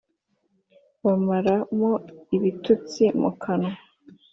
bamara mo ibitutsi mukanwa